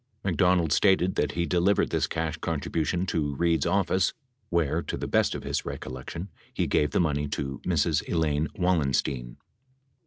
McDonald stated that he delivered this cash contribution to Reid's office where, to the best of his recollection, he gave the money to Mrs. Elaine Wallenstein.